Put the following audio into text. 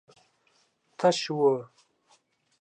تش و.